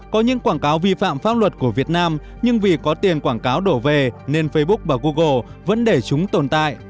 có những quảng cáo vi phạm pháp luật của việt nam nhưng vì có tiền quảng cáo đổ về nên facebook và google vẫn để chúng tồn tại